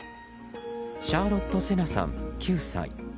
シャーロット・セナさん、９歳。